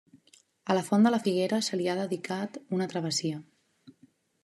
A la Font de la Figuera se li ha dedicat una Travessia.